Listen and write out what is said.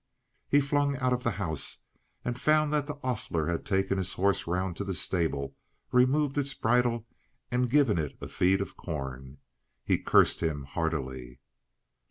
He flung out of the house and found that the ostler had taken his horse round to the stable, removed its bridle, and given it a feed of corn. He cursed him heartily.